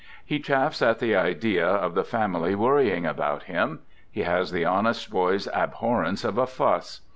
He chafes at the idea of the family worrying about him. He has the honest boy's abhorrence of a fuss.